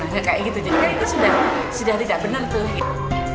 jadi itu sudah tidak benar